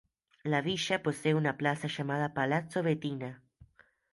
La villa posee una plaza llamada Palazzo Bettina.